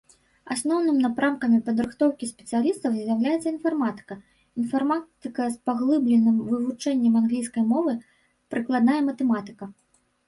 Асноўнымі напрамкамі падрыхтоўкі спецыялістаў з'яўляецца інфарматыка, інфарматыка з паглыбленым вывучэннем англійскай мовы, прыкладная матэматыка.